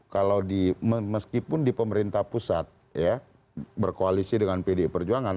kalau di meskipun di pemerintah pusat ya berkoalisi dengan pdi perjuangan